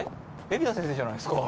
海老名先生じゃないですか。